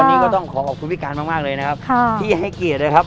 วันนี้ก็ต้องขอขอบคุณพี่การมากเลยนะครับที่ให้เกียรตินะครับ